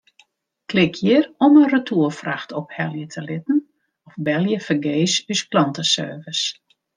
Klik hjir om in retoerfracht ophelje te litten of belje fergees ús klanteservice.